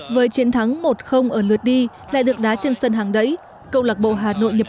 với chiến thắng một ở lượt đi lại được đá trên sân hàng đẩy câu lạc bộ hà nội nhập